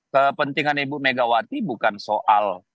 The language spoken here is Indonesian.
kepentingan ibu megawati bukan soal